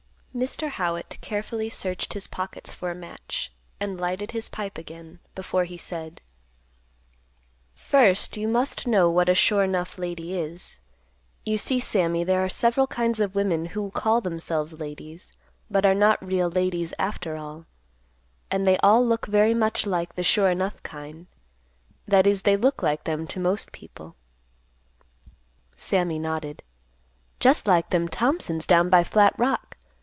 Mr. Howitt carefully searched his pockets for a match, and lighted his pipe again, before he said, "First you must know what a 'sure enough' lady is. You see, Sammy, there are several kinds of women who call themselves ladies, but are not real ladies after all; and they all look very much like the 'sure enough' kind; that is, they look like them to most people." Sammy nodded, "Just like them Thompsons down by Flat Rock.